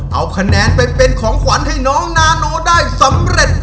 เอาคะแนนไปเป็นของขวัญให้น้องนาโนได้สำเร็จ